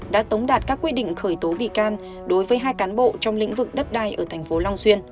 đã tống đạt các quy định khởi tố bị can đối với hai cán bộ trong lĩnh vực đất đai ở thành phố long xuyên